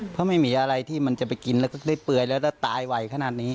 เพราะไม่มีอะไรที่มันจะไปกินแล้วก็ได้เปื่อยแล้วได้ตายไวขนาดนี้